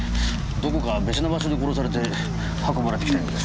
どこか別の場所で殺されて運ばれてきたようです。